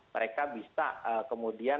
mereka bisa kemudian